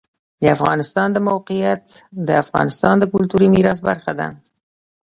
د افغانستان د موقعیت د افغانستان د کلتوري میراث برخه ده.